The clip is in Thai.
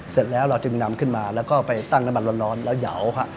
เสร็จแล้วเราจึงนำขึ้นมาแล้วก็ไปตั้งน้ำมันร้อนแล้วเหยาวค่ะ